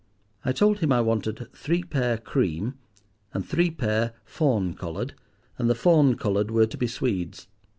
I told him I wanted three pair cream and three pair fawn coloured, and the fawn coloured were to be swedes.